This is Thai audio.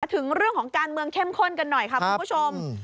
ถึงเรื่องของการเมืองเข้มข้นกันหน่อยค่ะคุณผู้ชม